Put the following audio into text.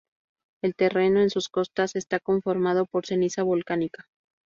El terreno en sus costas está conformado por ceniza volcánica.